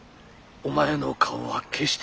「お前の顔は決して」。